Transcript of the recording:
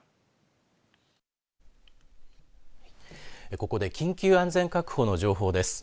ここで緊急安全確保の情報です。